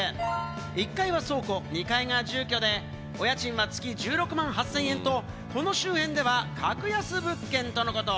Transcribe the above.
１階は倉庫、２階が住居で、お家賃は月１６万８０００円と、この周辺では格安物件とのこと。